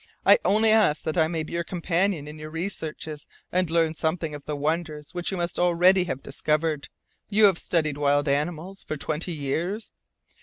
I only ask that I may be your companion in your researches, and learn something of the wonders which you must already have discovered. You have studied wild animals for twenty years?"